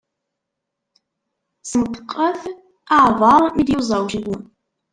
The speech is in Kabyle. Sneṭqet aɛbar mi d-yuẓa ucengu.